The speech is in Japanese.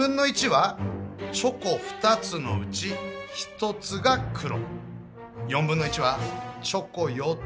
1/4はチョコ４つのうち１つが黒。